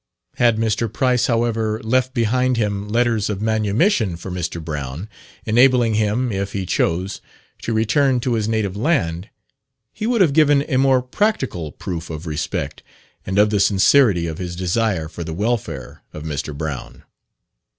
Had Mr. Price, however, left behind him letters of manumission for Mr. Brown, enabling him, if he chose, to return to his native land, he would have given a more practical proof of respect, and of the sincerity of his desire for the welfare of Mr. Brown.